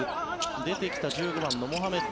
出てきた１５番のモハメッド。